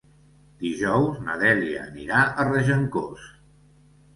Dijous na Dèlia anirà a Regencós.